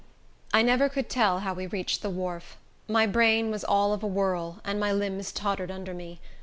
I never could tell how we reached the wharf. My brain was all of a whirl, and my limbs tottered under me.